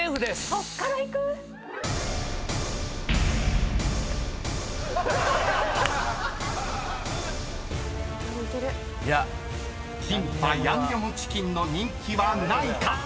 そっからいく⁉［キンパヤンニョムチキンの人気は何位か⁉］